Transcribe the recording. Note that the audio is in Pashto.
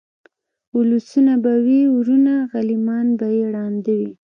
اولسونه به وي وروڼه غلیمان به یې ړانده وي